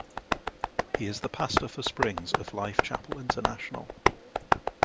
He is the pastor for Springs of Life Chapel International.